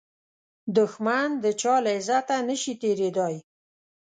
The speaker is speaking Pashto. دښمن د چا له عزته نشي تېریدای